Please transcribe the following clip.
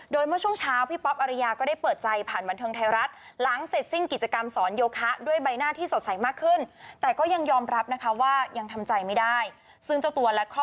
โดยเมื่อช่วงเช้าพี่ป๊อปอารยาก็ได้เปิดใจผ่านบรรเทิงไทยรัฐ